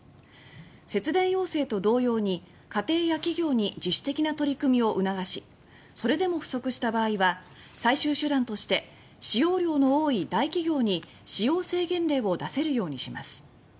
節電要請と同様に、家庭や企業に自主的な取り組みを促しそれでも不足した場合は最終手段として使用量の多い大企業に「使用制限令」を出せるようにします。